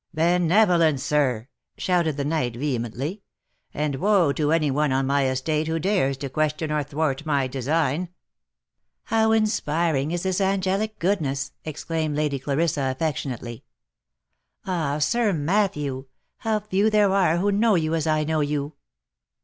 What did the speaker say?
" Benevolence, sir !" shouted the knight vehemently ;" and woe to any one on my estate who dares to question or thwart my design !"" How inspiring is this angelic goodness," exclaimed Lady Clarissa affectionately. " Ah, Sir Matthew! how few there are who know you as I know you